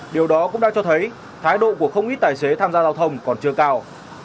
điều đó cũng đã cho thấy thái độ của không ít tài xế tham gia giao thông còn chưa cao